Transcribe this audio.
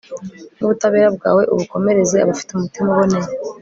n'ubutabera bwawe ubukomereze abafite umutima uboneye